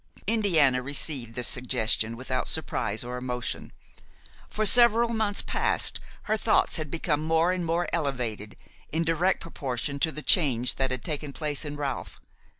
Indiana received this suggestion without surprise or emotion. For several months past her thoughts had become more and more elevated in direct proportion to the change that had taken place in Ralph.